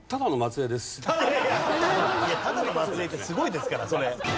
「ただの末裔」ってすごいですからそれ。